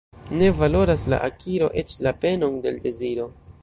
Ne valoras la akiro eĉ la penon de l' deziro.